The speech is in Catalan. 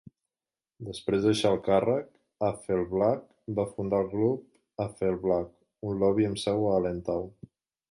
Després de deixar el càrrec, Afflerbach va fundar el Grup Afflerbach, un lobby amb seu a Allentown.